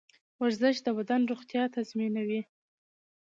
ورزش د بدن روغتیا تضمینوي.